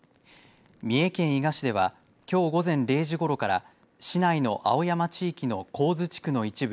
三重県伊賀市ではきょう午前０時ごろから市内の青山地域の上津地区の一部